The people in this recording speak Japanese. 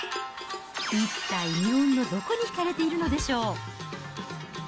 一体日本のどこに引かれているのでしょう。